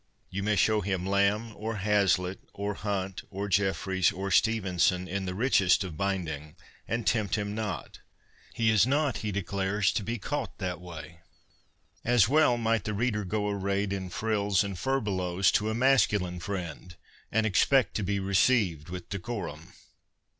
You may show him Lamb, or Hazlitt, or Hunt, or Jefferies, or Stevenson in the richest of binding, and tempt him not. He is not, he declares, to be caught that way. As well might the reader go arrayed in frills and furbelows to a masculine friend and expect to be received with decorum.